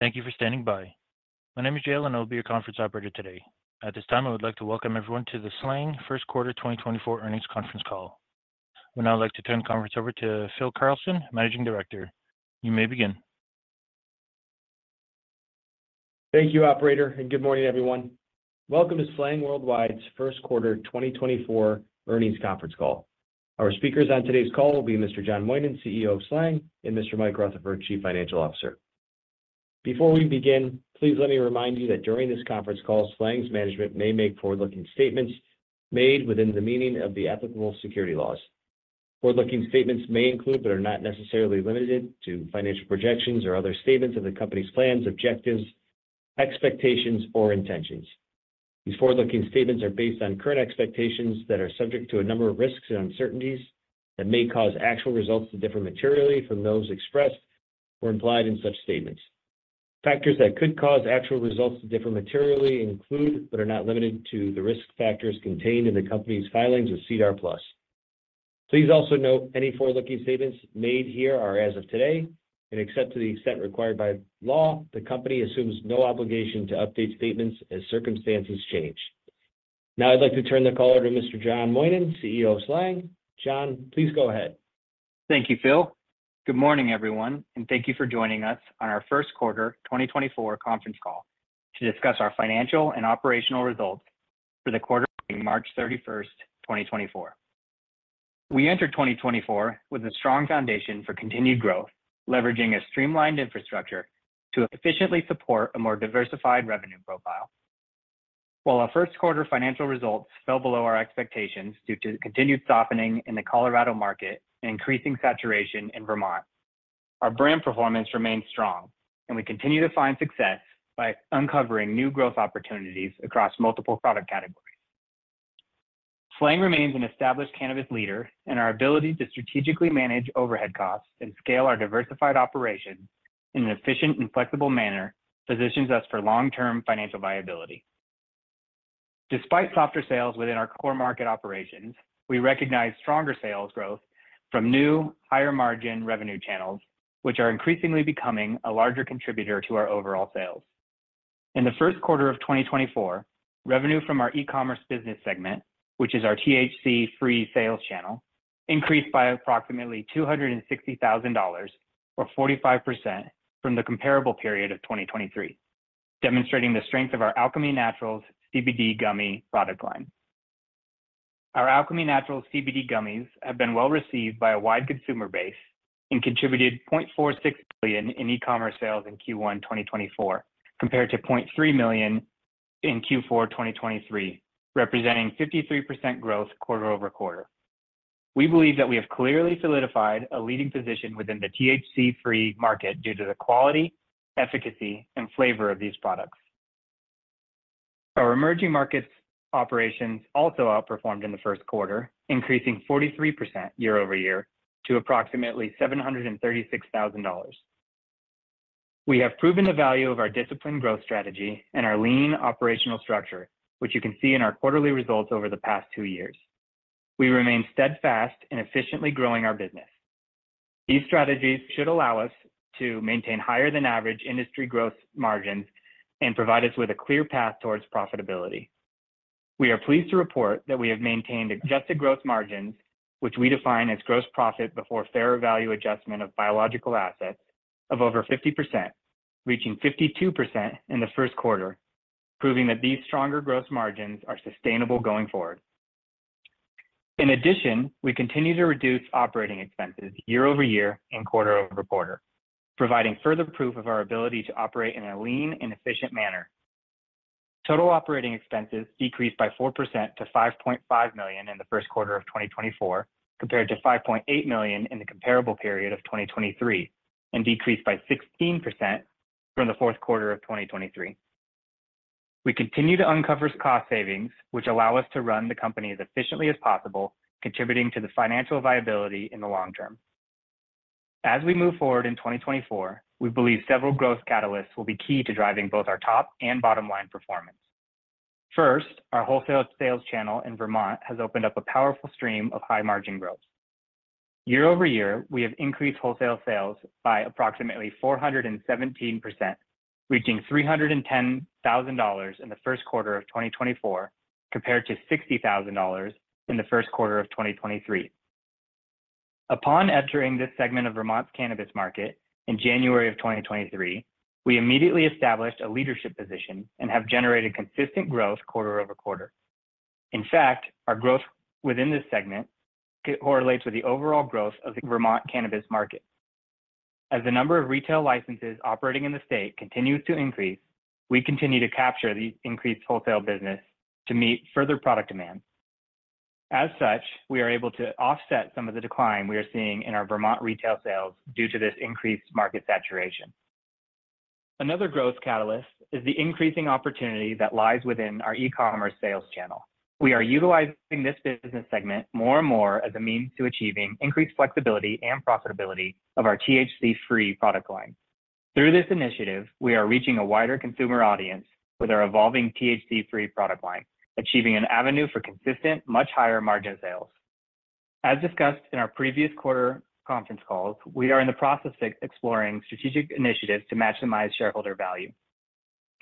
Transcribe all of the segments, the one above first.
Thank you for standing by. My name is Jaylen, and I'll be your conference operator today. At this time, I would like to welcome everyone to the SLANG First Quarter 2024 earnings conference call. I would now like to turn the conference over to Phil Carlson, Managing Director. You may begin. Thank you, operator, and good morning, everyone. Welcome to SLANG Worldwide's First Quarter 2024 earnings conference call. Our speakers on today's call will be Mr. John Moynan, CEO of SLANG, and Mr. Mikel Rutherford, Chief Financial Officer. Before we begin, please let me remind you that during this conference call, SLANG's management may make forward-looking statements made within the meaning of the applicable securities laws. Forward-looking statements may include, but are not necessarily limited to, financial projections or other statements of the company's plans, objectives, expectations, or intentions. These forward-looking statements are based on current expectations that are subject to a number of risks and uncertainties that may cause actual results to differ materially from those expressed or implied in such statements. Factors that could cause actual results to differ materially include, but are not limited to, the risk factors contained in the company's filings with SEDAR+. Please also note any forward-looking statements made here are as of today, and except to the extent required by law, the company assumes no obligation to update statements as circumstances change. Now, I'd like to turn the call over to Mr. John Moynan, CEO of SLANG. John, please go ahead. Thank you, Phil. Good morning, everyone, and thank you for joining us on our first quarter 2024 conference call to discuss our financial and operational results for the quarter ending March 31st, 2024. We entered 2024 with a strong foundation for continued growth, leveraging a streamlined infrastructure to efficiently support a more diversified revenue profile. While our first quarter financial results fell below our expectations due to continued softening in the Colorado market and increasing saturation in Vermont, our brand performance remains strong, and we continue to find success by uncovering new growth opportunities across multiple product categories. SLANG remains an established cannabis leader, and our ability to strategically manage overhead costs and scale our diversified operations in an efficient and flexible manner positions us for long-term financial viability. Despite softer sales within our core market operations, we recognize stronger sales growth from new, higher-margin revenue channels, which are increasingly becoming a larger contributor to our overall sales. In the first quarter of 2024, revenue from our e-commerce business segment, which is our THC-free sales channel, increased by approximately $260,000, or 45%, from the comparable period of 2023, demonstrating the strength of our Alchemy Naturals CBD gummy product line. Our Alchemy Naturals CBD gummies have been well-received by a wide consumer base and contributed $0.46 billion in e-commerce sales in Q1 2024, compared to $0.3 million in Q4 2023, representing 53% growth quarter-over-quarter. We believe that we have clearly solidified a leading position within the THC-free market due to the quality, efficacy, and flavor of these products. Our emerging markets operations also outperformed in the first quarter, increasing 43% year-over-year to approximately $736,000. We have proven the value of our disciplined growth strategy and our lean operational structure, which you can see in our quarterly results over the past two years. We remain steadfast in efficiently growing our business. These strategies should allow us to maintain higher than average industry gross margins and provide us with a clear path towards profitability. We are pleased to report that we have maintained adjusted gross margins, which we define as gross profit before fair value adjustment of biological assets, of over 50%, reaching 52% in the first quarter, proving that these stronger gross margins are sustainable going forward. In addition, we continue to reduce operating expenses year-over-year and quarter-over-quarter, providing further proof of our ability to operate in a lean and efficient manner. Total operating expenses decreased by 4% to $5.5 million in the first quarter of 2024, compared to $5.8 million in the comparable period of 2023, and decreased by 16% from the fourth quarter of 2023. We continue to uncover cost savings, which allow us to run the company as efficiently as possible, contributing to the financial viability in the long term. As we move forward in 2024, we believe several growth catalysts will be key to driving both our top and bottom line performance. First, our wholesale sales channel in Vermont has opened up a powerful stream of high-margin growth. Year-over-year, we have increased wholesale sales by approximately 417%, reaching $310,000 in the first quarter of 2024, compared to $60,000 in the first quarter of 2023. Upon entering this segment of Vermont's cannabis market in January of 2023, we immediately established a leadership position and have generated consistent growth quarter-over-quarter. In fact, our growth within this segment correlates with the overall growth of the Vermont cannabis market. As the number of retail licenses operating in the state continues to increase, we continue to capture the increased wholesale business to meet further product demand. As such, we are able to offset some of the decline we are seeing in our Vermont retail sales due to this increased market saturation. Another growth catalyst is the increasing opportunity that lies within our e-commerce sales channel. We are utilizing this business segment more and more as a means to achieving increased flexibility and profitability of our THC-free product line. Through this initiative, we are reaching a wider consumer audience with our evolving THC-free product line, achieving an avenue for consistent, much higher margin sales. As discussed in our previous quarter conference calls, we are in the process of exploring strategic initiatives to maximize shareholder value.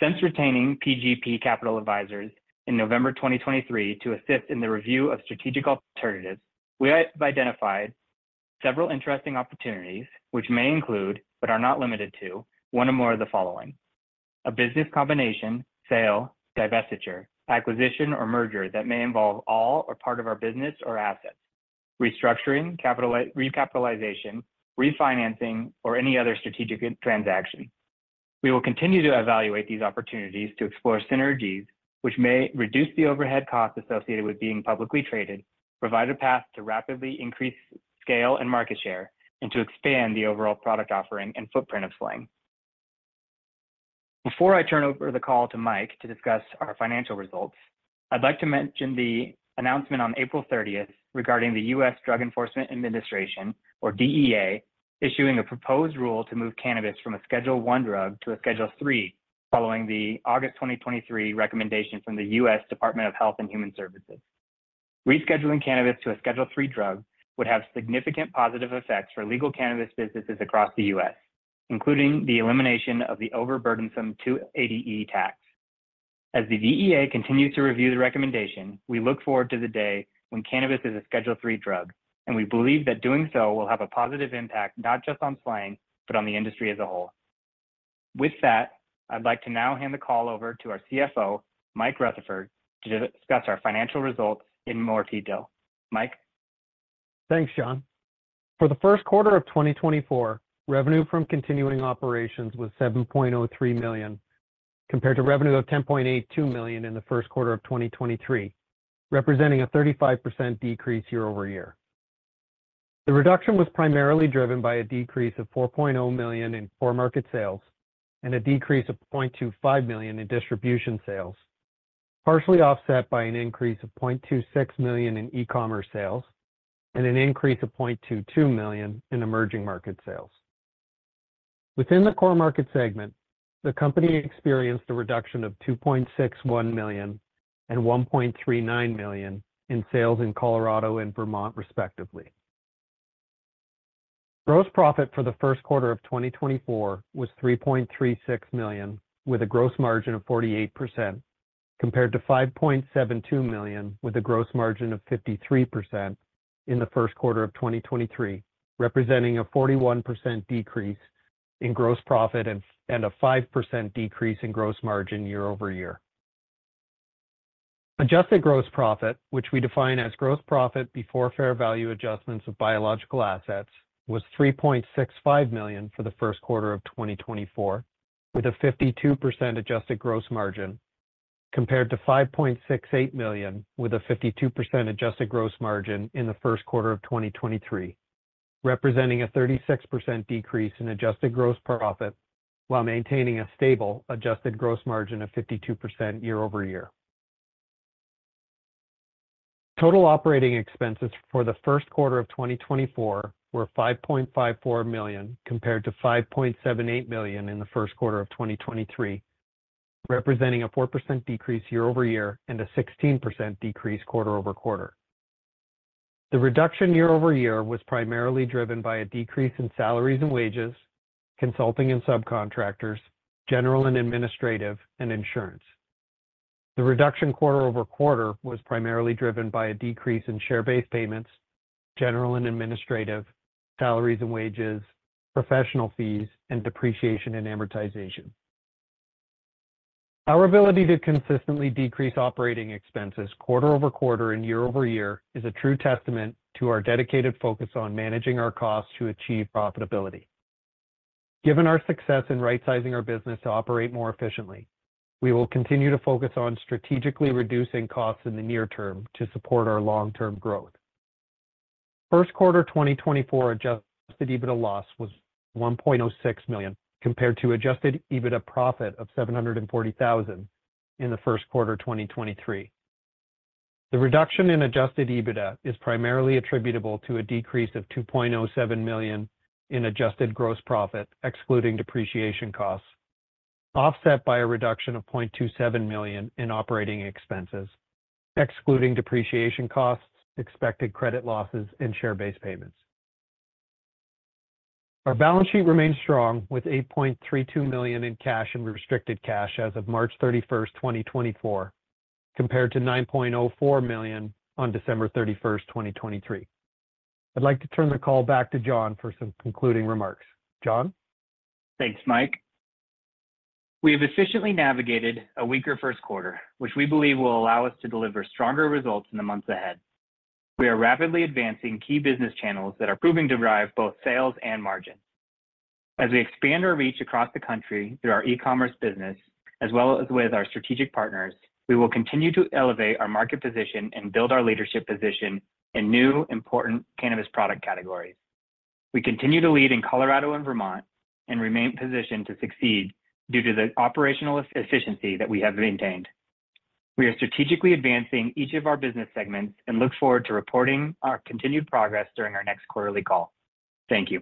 Since retaining PGP Capital Advisors in November 2023 to assist in the review of strategic alternatives, we have identified several interesting opportunities, which may include, but are not limited to, one or more of the following: a business combination, sale, divestiture, acquisition, or merger that may involve all or part of our business or assets, restructuring, capital recapitalization, refinancing, or any other strategic transaction. We will continue to evaluate these opportunities to explore synergies, which may reduce the overhead costs associated with being publicly traded, provide a path to rapidly increase scale and market share, and to expand the overall product offering and footprint of SLANG. Before I turn over the call to Mike to discuss our financial results, I'd like to mention the announcement on April 30th regarding the U.S. Drug Enforcement Administration, or DEA, issuing a proposed rule to move cannabis from a Schedule I drug to a Schedule III, following the August 2023 recommendation from the U.S. Department of Health and Human Services. Rescheduling cannabis to a Schedule III drug would have significant positive effects for legal cannabis businesses across the U.S., including the elimination of the overburdensome 280E tax. As the DEA continues to review the recommendation, we look forward to the day when cannabis is a Schedule III drug, and we believe that doing so will have a positive impact, not just on SLANG, but on the industry as a whole. With that, I'd like to now hand the call over to our CFO, Mike Rutherford, to discuss our financial results in more detail. Mike? Thanks, John. For the first quarter of 2024, revenue from continuing operations was $7.03 million, compared to revenue of $10.82 million in the first quarter of 2023, representing a 35% decrease year-over-year. The reduction was primarily driven by a decrease of $4.0 million in core market sales and a decrease of $0.25 million in distribution sales, partially offset by an increase of $0.26 million in e-commerce sales and an increase of $0.22 million in emerging market sales. Within the core market segment, the company experienced a reduction of $2.61 million and $1.39 million in sales in Colorado and Vermont, respectively. Gross profit for the first quarter of 2024 was $3.36 million, with a gross margin of 48%, compared to $5.72 million, with a gross margin of 53% in the first quarter of 2023, representing a 41% decrease in gross profit and a 5% decrease in gross margin year-over-year. Adjusted gross profit, which we define as gross profit before fair value adjustments of biological assets, was $3.65 million for the first quarter of 2024, with a 52% adjusted gross margin, compared to $5.68 million, with a 52% adjusted gross margin in the first quarter of 2023, representing a 36% decrease in adjusted gross profit, while maintaining a stable adjusted gross margin of 52% year-over-year. Total operating expenses for the first quarter of 2024 were $5.54 million, compared to $5.78 million in the first quarter of 2023, representing a 4% decrease year-over-year and a 16% decrease quarter-over-quarter. The reduction year-over-year was primarily driven by a decrease in salaries and wages, consulting and subcontractors, general and administrative, and insurance. The reduction quarter-over-quarter was primarily driven by a decrease in share-based payments, general and administrative, salaries and wages, professional fees, and depreciation and amortization. Our ability to consistently decrease operating expenses quarter-over-quarter and year-over-year is a true testament to our dedicated focus on managing our costs to achieve profitability. Given our success in right-sizing our business to operate more efficiently, we will continue to focus on strategically reducing costs in the near term to support our long-term growth. First quarter 2024 Adjusted EBITDA loss was $1.06 million, compared to Adjusted EBITDA profit of $740,000 in the first quarter 2023. The reduction in Adjusted EBITDA is primarily attributable to a decrease of $2.07 million in adjusted gross profit, excluding depreciation costs, offset by a reduction of $0.27 million in operating expenses, excluding depreciation costs, expected credit losses, and share-based payments. Our balance sheet remains strong, with $8.32 million in cash and restricted cash as of March 31st, 2024, compared to $9.04 million on December 31st, 2023. I'd like to turn the call back to John for some concluding remarks. John? Thanks, Mike. We have efficiently navigated a weaker first quarter, which we believe will allow us to deliver stronger results in the months ahead. We are rapidly advancing key business channels that are proving to drive both sales and margin. As we expand our reach across the country through our e-commerce business, as well as with our strategic partners, we will continue to elevate our market position and build our leadership position in new, important cannabis product categories. We continue to lead in Colorado and Vermont and remain positioned to succeed due to the operational efficiency that we have maintained. We are strategically advancing each of our business segments and look forward to reporting our continued progress during our next quarterly call. Thank you.